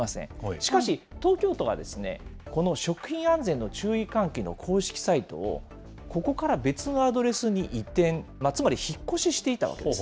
しかし、東京都がこの食品安全の注意喚起の公式サイトを、ここから別のアドレスに移転、つまり引っ越ししていたわけです。